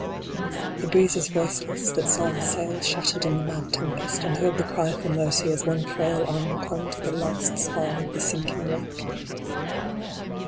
The breeze is voiceless that saw the sails shattered in the mad tempest, and heard the cry for mercy as one frail arm clung to the last spar of the sinking wreck.